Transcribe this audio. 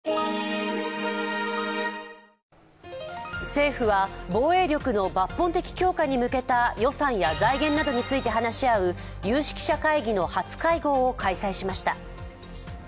政府は防衛力の抜本的強化に向けた予算や財源などについて話し合う有識者会議の初会合を開催しました。